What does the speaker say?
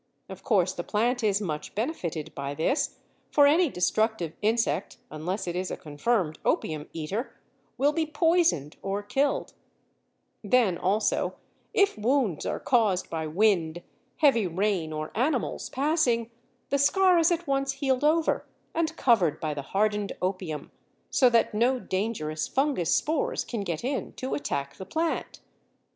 Of course the plant is much benefited by this, for any destructive insect, unless it is a confirmed opium eater, will be poisoned or killed; then also, if wounds are caused by wind, heavy rain, or animals passing, the scar is at once healed over and covered by the hardened opium, so that no dangerous fungus spores can get in to attack the plant.